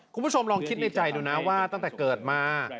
คุณผู้ชมลองคิดในใจดูนะว่าตั้งแต่เกิดมา